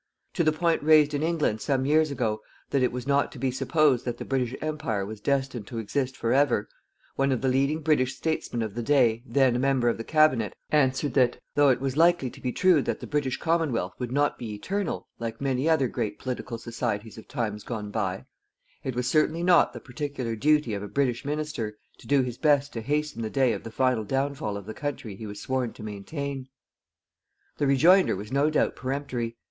To the point raised in England, some years ago, that it was not to be supposed that the British Empire was destined to exist forever, one of the leading British statesmen of the day, then a member of the Cabinet, answered that, though it was likely to be true that the British Commonwealth would not be eternal, like many other great political societies of times gone by, it was surely not the particular duty of a British minister to do his best to hasten the day of the final downfall of the country he was sworn to maintain. The rejoinder was no doubt peremptory.